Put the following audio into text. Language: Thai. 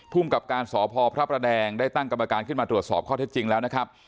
กับการสพพระประแดงได้ตั้งกรรมการขึ้นมาตรวจสอบข้อเท็จจริงแล้วนะครับ